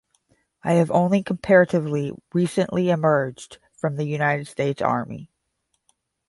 I have only comparatively recently emerged from the United States Army.